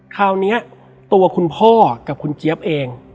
คราวนี้ตัวคุณพ่อกับคุณเจี๊ยบเอง